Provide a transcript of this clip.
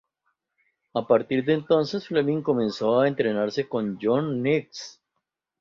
A partir de entonces Fleming comenzó a entrenarse con John Nicks.